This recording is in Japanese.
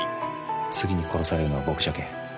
「次に殺されるのは僕じゃけえ」